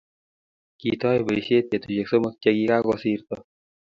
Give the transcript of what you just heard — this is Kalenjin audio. Kitoi boisiet petusiek somok che ki kakosirto